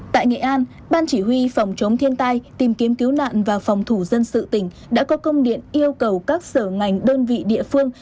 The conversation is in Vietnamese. tại nghệ an ban chỉ huy phòng chống thiên tai tìm kiếm cứu nạn và phòng thủ dân sự tỉnh đã có công điện yêu cầu các sở ngành đơn vị địa phương